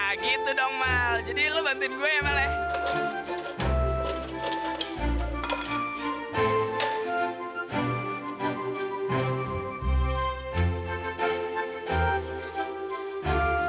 nah gitu dong mal jadi lo bantuin gue ya mal ya